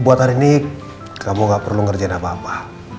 buat hari ini kamu gak perlu ngerjain apa apa